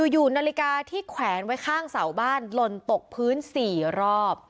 อยู่นาฬิกาที่แขวนไว้ข้างเสาบ้านหล่นตกพื้น๔รอบ